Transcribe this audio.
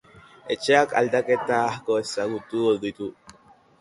Etxeak aldaketa asko ezagutu ditu.